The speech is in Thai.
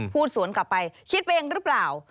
พูดสวนกลับไปคิดไปเองหรือเปล่า